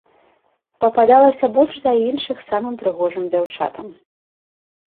Пападалася больш за іншых самым прыгожым дзяўчатам.